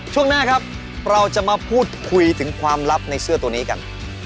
ช่วงหน้าครับเราจะมาพูดคุยถึงความลับในเสื้อตัวนี้กัน